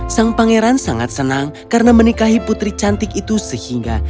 sang pangeran sangat senang karena menikahi putri cantik itu sehingga